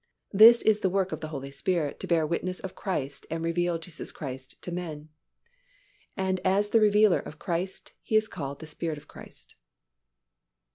This is the work of the Holy Spirit to bear witness of Christ and reveal Jesus Christ to men. And as the revealer of Christ, He is called "the Spirit of Christ."